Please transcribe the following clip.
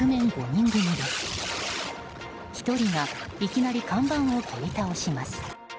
１人がいきなり看板を蹴り倒します。